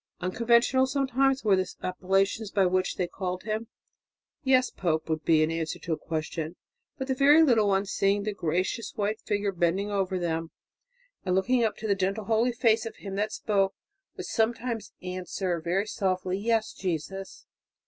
Unconventional sometimes were the appellations by which they called him. "Yes, Pope," would be the answer to a question. But the very little ones, seeing the gracious white figure bending over them and looking up into the gentle holy face of him that spoke, would sometimes answer softly, "Yes, Jesus."